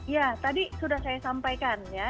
ya tadi sudah saya sampaikan ya